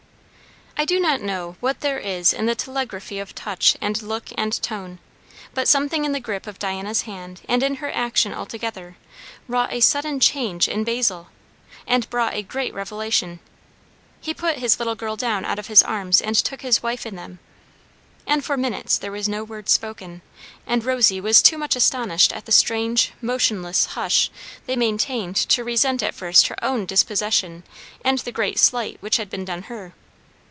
I do not know what there is in the telegraphy of touch and look and tone; but something in the grip of Diana's hand, and in her action altogether, wrought a sudden change in Basil, and brought a great revelation. He put his little girl down out of his arms and took his wife in them. And for minutes there was no word spoken; and Rosy was too much astonished at the strange motionless hush they maintained to resent at first her own dispossession and the great slight which had been done her.